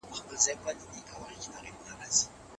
هغه وویل چي غچ مه اخلئ.